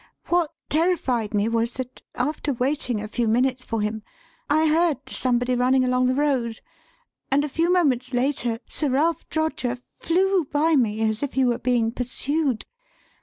What terrified me was that, after waiting a few minutes for him, I heard somebody running along the road, and a few moments later Sir Ralph Droger flew by me as if he were being pursued.